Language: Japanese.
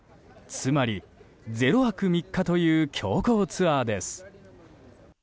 つまり、０泊３日という強行ツアーです。